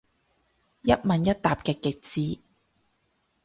一問一答嘅極致